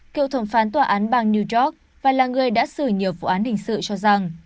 cựu thẩm phán tòa án bang new york và là người đã xử nhiều vụ án hình sự cho rằng